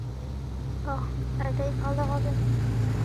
ওহ, এটাই ভালো হবে।